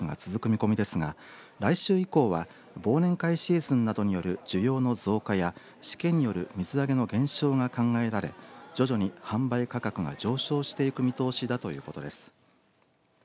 見込みですが来週以降は忘年会シーズンなどによる需要の増加やしけによる水揚げの減少が考えられ、徐々にが販売価格が上昇していく見通しだということです。